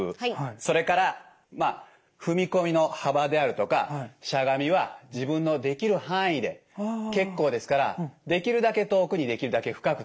それから踏み込みの幅であるとかしゃがみは自分のできる範囲で結構ですからできるだけ遠くにできるだけ深くと。